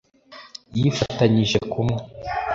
yifatanyije kumwe. '